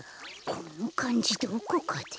このかんじどこかで。